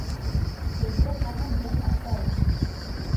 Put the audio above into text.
— Һеҙҙе һағындыҡ, апай!